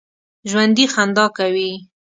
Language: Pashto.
ژوندي خندا کوي